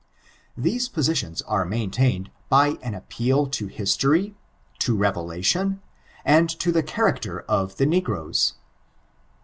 These positions are maintained by an appeal to histoiy, to Revelation, and to the character of the negroes.